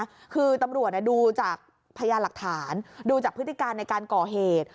คือตำรวจดูจากพยานหลักฐานดูจากพฤติการในการก่อเหตุ